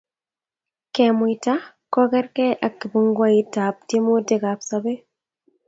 kemuita kokerkei ak kipunguetab tiemutik ab sobee